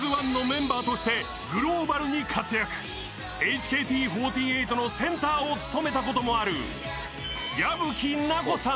ＨＫＴ４８のセンターを務めたこともある矢吹奈子さん。